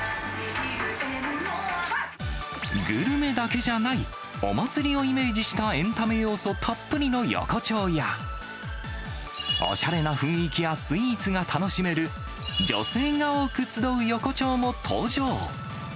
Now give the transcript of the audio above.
グルメだけじゃない、お祭りをイメージしたエンタメ要素たっぷりの横丁や、おしゃれな雰囲気やスイーツが楽しめる女性が多く集う横丁も登場。